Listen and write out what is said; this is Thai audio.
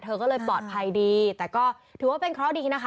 เธอก็เลยปลอดภัยดีแต่ก็ถือว่าเป็นเคราะห์ดีนะคะ